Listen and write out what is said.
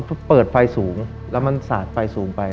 เขาเปิดไฟสูงแล้วมันสาดไฟสูงไป